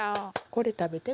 これ食べてみる？